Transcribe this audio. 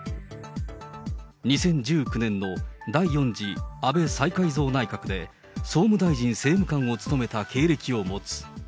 ２０１９年の第４次安倍再改造内閣で、総務大臣政務官を務めた経歴を持つ。